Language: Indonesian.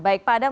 baik pak adang